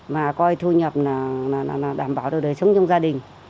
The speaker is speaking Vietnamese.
mà coi thu nhập là đảm bảo được đời sống trong gia đình